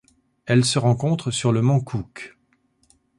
Elle se rencontre sur le mont Cooke.